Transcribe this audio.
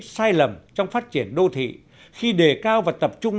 sai lầm trong phát triển đô thị khi đề cao và tập trung